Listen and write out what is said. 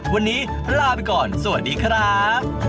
วันนี้ลาไปก่อนสวัสดีครับ